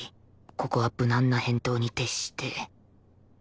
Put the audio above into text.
ここは無難な返答に徹して